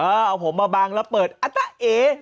เอาผมมาบังแล้วเปิดอัตเอ